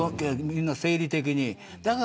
みんな、生理的に。